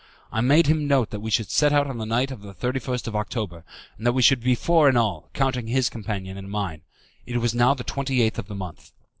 I made him note that we should set out on the night of the 31st of October, and that we should be four in all, counting his companion and mine. It was now the twenty eighth of the month.